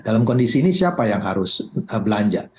dalam kondisi ini siapa yang harus belanja